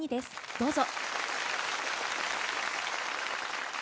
どうぞ。